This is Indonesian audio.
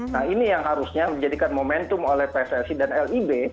nah ini yang harusnya menjadikan momentum oleh pssi dan lib